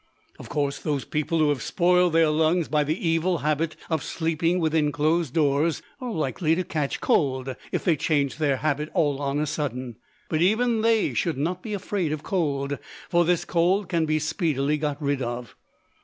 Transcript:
Of course, those people who have spoiled their lungs by the evil habit of sleeping within closed doors are likely to catch cold, if they change their habit all on a sudden. But even they should not be afraid of cold, for this cold can be speedily got rid of.